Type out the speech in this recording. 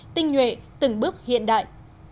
tinh nhuệ từng bước hiện đại